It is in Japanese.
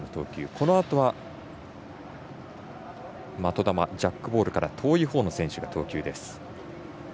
このあとは的球、ジャックボールから遠いほうの選手が投球です。